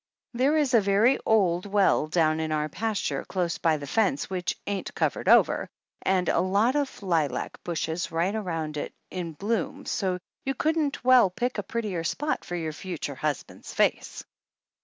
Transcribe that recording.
There is a very old well down in our pas ture close by the fence which ain't covered over, and a lot of lilac bushes right around it in bloom, so you couldn't well pick a prettier spot for your future husband's face.